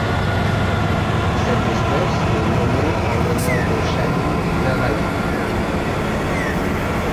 Cette espèce est nommée en l'honneur de Shahin Navai.